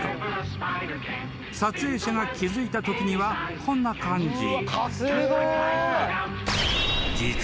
［撮影者が気付いたときにはこんな感じ］